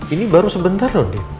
ini baru sebentar loh